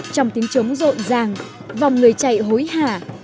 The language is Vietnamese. trong tiếng trống rộn ràng vòng người chạy hối hạ